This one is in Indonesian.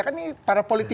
kan ini para politik